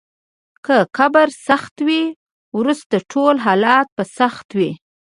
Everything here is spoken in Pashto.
که قبر سخت وي، وروسته ټول حالات به سخت وي.